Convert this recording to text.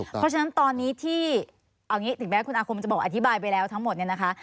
เพราะฉะนั้นตอนนี้ที่เอาอย่างนี้ถึงแม้คุณอาคมจะบอกอธิบายไปแล้วทั้งหมดเนี่ยนะคะ